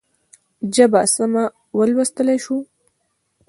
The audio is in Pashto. ژبه سمه ولوستلای شو.